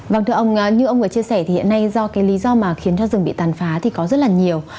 vâng thưa ông như ông vừa chia sẻ thì hiện nay do cái lý do mà khiến cho rừng bị tàn phá thì có rất là nhiều